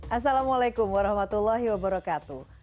assalamualaikum warahmatullahi wabarakatuh